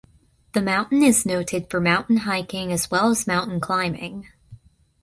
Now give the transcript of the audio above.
The mountain is noted for mountain hiking as well as mountain climbing.